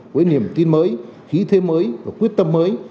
với niềm tin mới khí thế mới và quyết tâm mới